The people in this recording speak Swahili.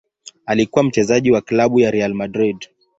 Alikuwa mchezaji wa klabu ya Real Madrid.